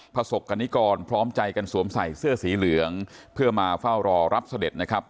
ประสบกรณิกรพร้อมใจกันสวมใส่เสื้อสีเหลืองเพื่อมาเฝ้ารอรับเสด็จนะครับ